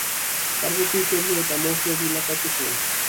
Kargutik kendu eta monje bilakatu zen.